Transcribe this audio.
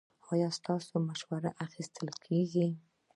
ایا ستاسو مشوره اخیستل کیږي؟